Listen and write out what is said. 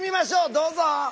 どうぞ。